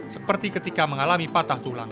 seperti ketika mengalami patah tulang